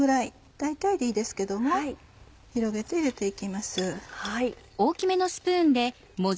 大体でいいですけども広げて入れて行きます。